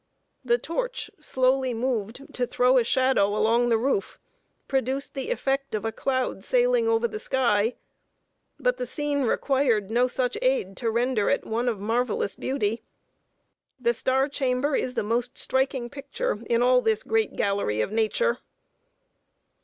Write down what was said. The torch, slowly moved to throw a shadow along the roof, produced the effect of a cloud sailing over the sky; but the scene required no such aid to render it one of marvelous beauty. The Star Chamber is the most striking picture in all this great gallery of Nature.